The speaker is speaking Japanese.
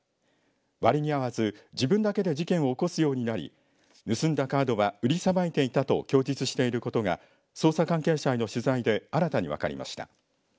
割に合わず、自分だけで事件を起こすようになり盗んだカードは売りさばいていたと供述していることが捜査関係者への取材で新たに分かりました。